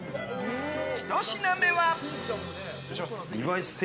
１品目は。